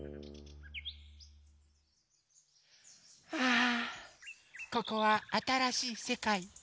あここはあたらしいせかい。